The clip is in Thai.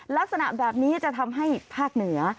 ลักษณะแบบนี้จะทำให้ภาคเหนือ